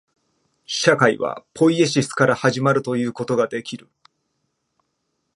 社会はポイエシスから始まるということができる。